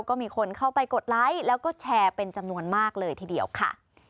ก็มีคนเข้าไปกดไลค์แล้วก็แชร์เป็นจำนวนมากเลยทีเดียวค่ะ